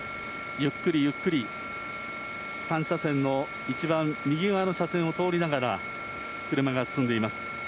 ゆっくりゆっくり、３車線の一番右側の車線を通りながら、車が進んでいます。